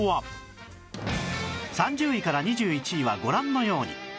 ３０位から２１位はご覧のように